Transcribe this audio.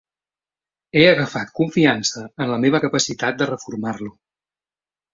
He agafat confiança en la meva capacitat de reformar-lo.